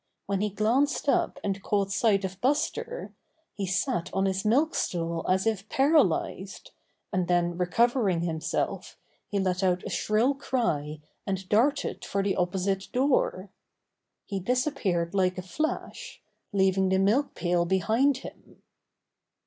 When he glanced up and caught sight of Buster, he sat on his milk stool as if paralyzed, and then recovering himself he let out a shrill cry and darted for the opposite door. He disappeared like a flash, leaving the milk pail behind him.